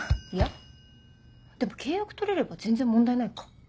いやでも契約取れれば全然問題ないか。